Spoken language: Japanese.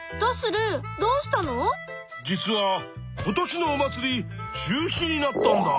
実は今年のお祭り中止になったんだ。